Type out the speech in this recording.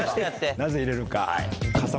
なぜ入れるか。